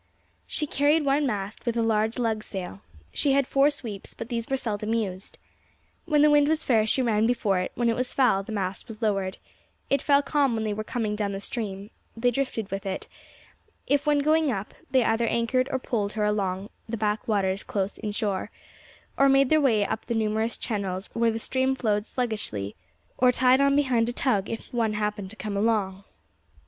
She carried one mast, with a large lug sail. She had four sweeps, but these were seldom used. When the wind was fair she ran before it, when it was foul the mast was lowered; if it fell calm when they were coming down the stream they drifted with it, if when going up, they either anchored or poled her along in the back waters close inshore, or made their way up the numerous channels where the stream flowed sluggishly, or tied on behind a tug if one happened to come along.